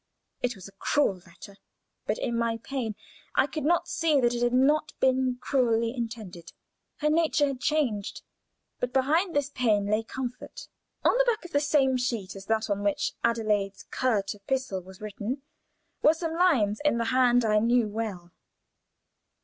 It was a cruel letter, but in my pain I could not see that it had not been cruelly intended. Her nature had changed. But behind this pain lay comfort. On the back of the same sheet as that on which Adelaide's curt epistle was written, were some lines in the hand I knew well.